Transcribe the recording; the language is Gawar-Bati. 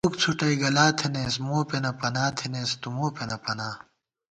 تُوفُک څھُٹَئ گلا تھنَئیس، موپېنہ پنا تھنَئیس تُومو پېنہ پنا